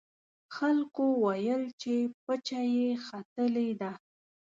خلکو ویل چې پچه یې ختلې ده.